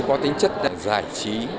có tính chất giải trí